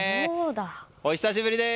お久しぶりです。